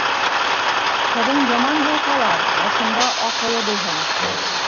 Ҡыҙың яман булһа ла, башында аҡылы булһын.